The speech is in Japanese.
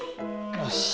よし。